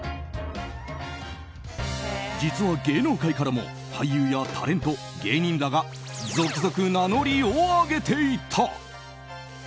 実は芸能界からも俳優やタレント、芸人らが続々、名乗りを上げていた。